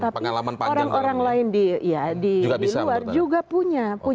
pengalaman panjang orang lain di luar juga punya